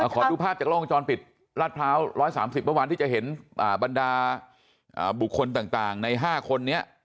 ขอดูภาพจากล้องวงจรปิดลาดพร้าว๑๓๐เมื่อวานที่จะเห็นบรรดาบุคคลต่างใน๕คนนี้